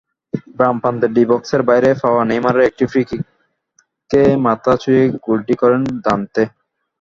বামপ্রান্তে ডি-বক্সের বাইরে পাওয়া নেইমারের একটি ফ্রি-কিকে মাথা ছুঁয়ে গোলটি করেন দানতে।